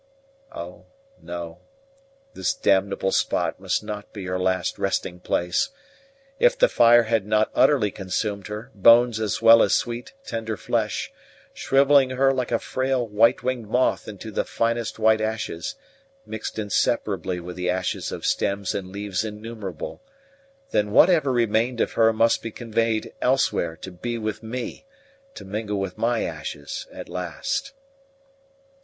Oh, no, this damnable spot must not be her last resting place! If the fire had not utterly consumed her, bones as well as sweet tender flesh, shrivelling her like a frail white winged moth into the finest white ashes, mixed inseparably with the ashes of stems and leaves innumerable, then whatever remained of her must be conveyed elsewhere to be with me, to mingle with my ashes at last.